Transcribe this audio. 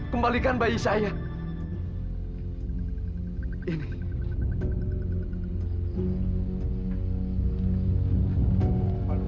kembalikan bayi saya ini